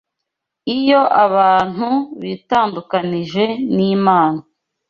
Iyo abantu bitandukanije n’Imana